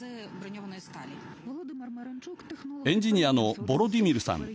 エンジニアのヴォロディミルさん。